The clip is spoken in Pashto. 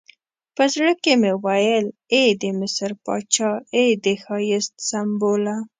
په زړه کې مې ویل ای د مصر پاچا، ای د ښایست سمبوله.